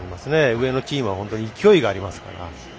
上のチームは本当に勢いがありますから。